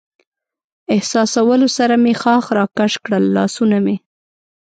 احساسولو سره مې ښاخ را کش کړل، لاسونه مې.